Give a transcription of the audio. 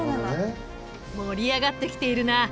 盛り上がってきているな。